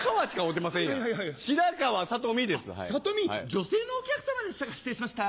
女性のお客さまでしたか失礼しました。